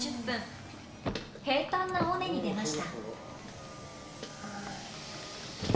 平たんな尾根に出ました。